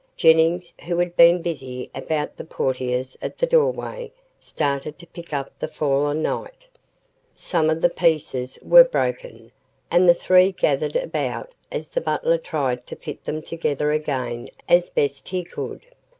Jennings, who had been busy about the portieres at the doorway, started to pick up the fallen knight. Some of the pieces were broken, and the three gathered about as the butler tried to fit them together again as best he could.